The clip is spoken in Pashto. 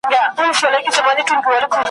نه د چا په لویو خونو کي غټیږو ,